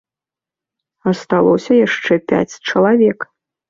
Асталося яшчэ пяць чалавек.